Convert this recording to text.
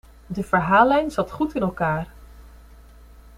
De verhaallijn zat goed in elkaar.